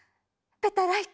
ペタライト？